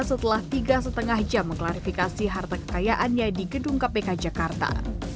setelah tiga lima jam mengklarifikasi harta kekayaannya di gedung kpk jakarta